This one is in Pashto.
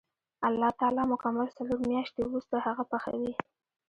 الله تعالی مکمل څلور میاشتې وروسته هغه پخوي.